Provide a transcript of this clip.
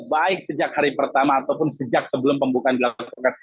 baik sejak hari pertama ataupun sejak sebelumnya